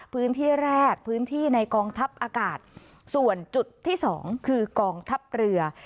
พื้นที่แรกพื้นที่ในกองทัพอากาศส่วนจุดที่สองคือกองทัพเรือ